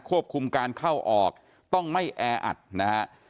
ควบคุมการเข้าออกต้องไม่แออัดนะครับ